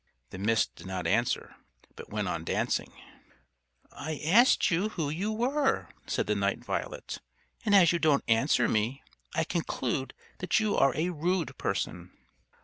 The Mist did not answer, but went on dancing. "I asked you who you were," said the Night Violet. "And as you don't answer me, I conclude that you are a rude person."